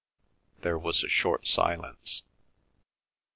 There was a short silence.